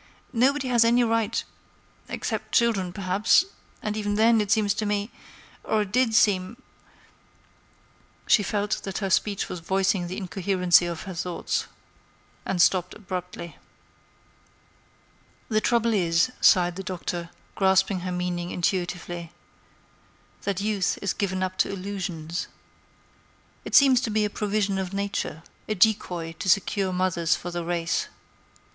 Nobody has any right—except children, perhaps—and even then, it seems to me—or it did seem—" She felt that her speech was voicing the incoherency of her thoughts, and stopped abruptly. "The trouble is," sighed the Doctor, grasping her meaning intuitively, "that youth is given up to illusions. It seems to be a provision of Nature; a decoy to secure mothers for the race.